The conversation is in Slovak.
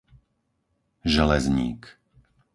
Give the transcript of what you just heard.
Železník